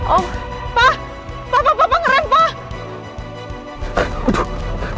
oh pak pak pak pak pak